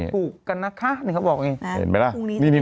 พูดกันนะคะเขาบอกอย่างนี้